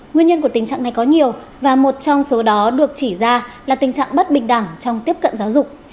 nguyên nhân của tình trạng này có nhiều và một trong số đó được chỉ ra là tình trạng bất bình đẳng trong tiếp cận giáo dục